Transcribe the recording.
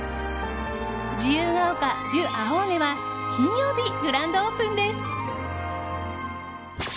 自由が丘デュアオーネは金曜日グランドオープンです。